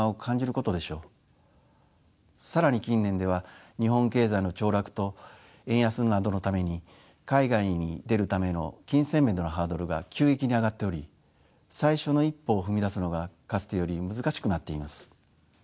更に近年では日本経済の凋落と円安などのために海外に出るための金銭面でのハードルが急激に上がっており最初の一歩を踏み出すのがかつてより難しくなっています。